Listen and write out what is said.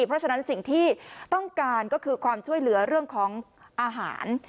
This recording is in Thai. เพราะฉะนั้นสิ่งที่ต้องการก็คือความช่วยเหลือเรื่องของอาหาร